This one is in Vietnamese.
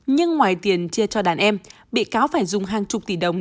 nhưng ngoài tiền chia cho đàn em bị cáo phải dùng hàng chục tỷ đồng